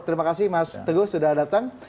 terima kasih mas teguh sudah datang